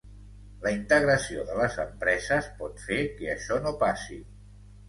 La integració de les empreses pot fer que això no passi.